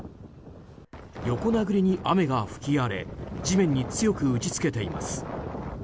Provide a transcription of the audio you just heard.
横殴りに雨が吹き荒れ地面に強く打ちつけています。